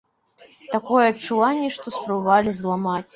Такое адчуванне, што спрабавалі зламаць.